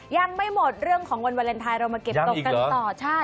ยังไม่หมดเรื่องของวันวาเลนไทยเรามาเก็บตกกันต่อใช่